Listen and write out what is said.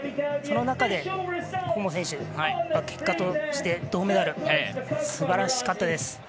その中で心椛選手結果として銅メダルすばらしかったです。